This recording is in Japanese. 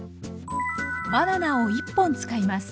バナナを１本使います。